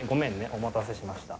お待たせしました。